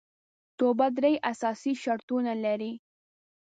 توبه درې اساسي شرطونه لري